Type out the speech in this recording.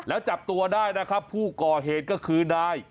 แล้วจับตัวได้นะครับผู้ก่อเหตุก็คือนาย